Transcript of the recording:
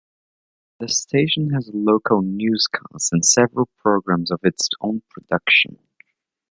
The station has a local newscast and several programs of its own production.